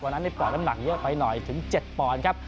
วันนั้นได้ป่อน้ำหนักเยอะไปหน่อยถึง๗ป่อนครับ